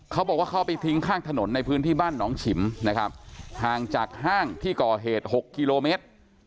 เขาบอกว่าเขาไปทิ้งข้างถนนในพื้นที่บ้านหนองฉิมนะครับห่างจากห้างที่ก่อเหตุ๖กิโลเมตร